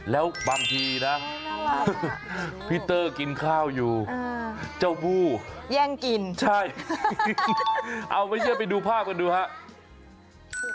แล้วบางทีนะพี่เตอร์กินข้าวอยู่เจ้าวู้แย่งกินใช่เอาไม่เชื่อไปดูภาพกันดูครับ